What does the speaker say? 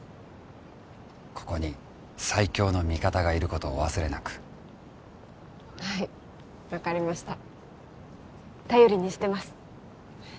ここに最強の味方がいることをお忘れなくはい分かりました頼りにしてます